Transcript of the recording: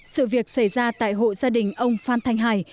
sự việc xảy ra tại hộ gia đình ông phan thanh hải